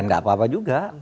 nggak apa apa juga